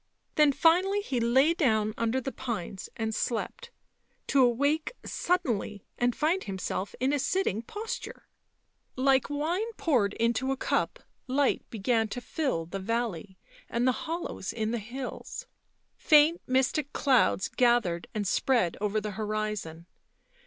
Then finally he lay down under the pines and slept, to awake suddenly and find himself in a sitting posture. Like wine poured into a cup, light began to fill the valley and the hollows in the hills; faint mystic clouds gathered and spread over the horizon.